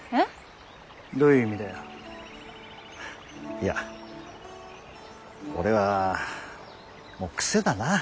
いや俺はもう癖だな。